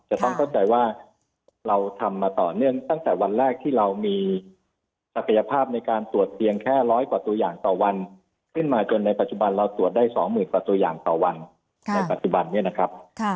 จะต้องเข้าใจว่าเราทำมาต่อเนื่องตั้งแต่วันแรกที่เรามีศักยภาพในการตรวจเพียงแค่ร้อยกว่าตัวอย่างต่อวันขึ้นมาจนในปัจจุบันเราตรวจได้๒๐๐๐กว่าตัวอย่างต่อวันในปัจจุบันนี้นะครับ